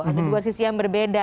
ada dua sisi yang berbeda